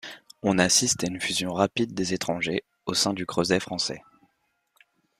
On assiste à une fusion rapide des étrangers au sein du creuset français.